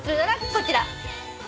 こちら。